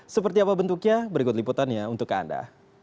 seperti apa bentuknya berikut liputannya untuk anda